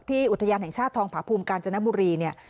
ที่อุทยานแห่งชาติทองผาภูมิกาญจนบุรี